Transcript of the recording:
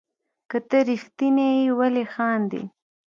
که ته ريښتيني يي ولي خاندي